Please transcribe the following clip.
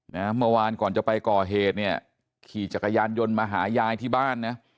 เมื่อวานก่อนจะไปก่อเหตุเนี่ยขี่จักรยานยนต์มาหายายที่บ้านนะ